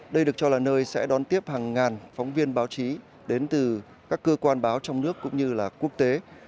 đây được cho là nơi sẽ đón tiếp hàng ngàn phóng viên báo chí đến từ các cơ quan báo trong nước cũng như là quốc tế